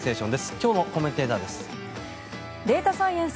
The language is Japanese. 今日のコメンテーターです。